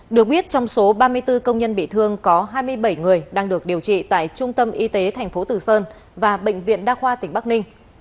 được biết trong số ba mươi bốn công nhân bị thương có hai mươi bảy người đang được điều trị tại trung tâm y tế tp tử sơn và bệnh viện đa khoa tỉnh bắc ninh